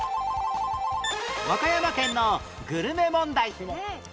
和歌山県のグルメ問題